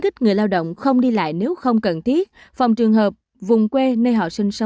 kích người lao động không đi lại nếu không cần thiết phòng trường hợp vùng quê nơi họ sinh sống